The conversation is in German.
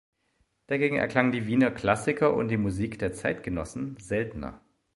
Dagegen erklangen die Wiener Klassiker und die Musik der Zeitgenossen seltener.